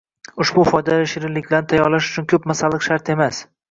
Ushbu foydali shirinlikni tayyorlash uchun ko‘p masalliq shart emas